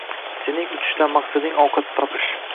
Sening uchishdan maqsading ovqat topish.